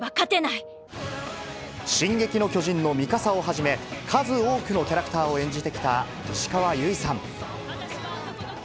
進撃の巨人のミカサをはじめ、数多くのキャラクターを演じてきた石川由依さん。